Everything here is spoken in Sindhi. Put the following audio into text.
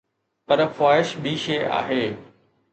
پر خواهش ٻي شيءِ آهي.